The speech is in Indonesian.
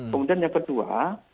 kemudian yang kedua